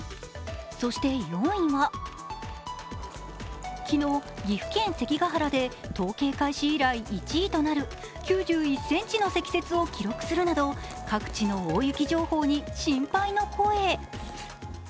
そして４位は、昨日岐阜県・関ケ原統計開始以来１位となる９１ｃｍの積雪を記録するなど各地の大雪情報に心配の声。